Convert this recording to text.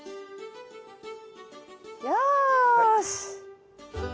よし！